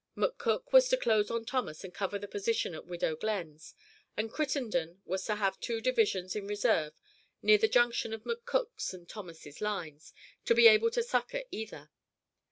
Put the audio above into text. McCook was to close on Thomas and cover the position at Widow Glenn's, and Crittenden was to have two divisions in reserve near the junction of McCook's and Thomas's lines, to be able to succor either.